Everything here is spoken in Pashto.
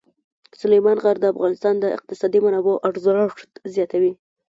سلیمان غر د افغانستان د اقتصادي منابعو ارزښت زیاتوي.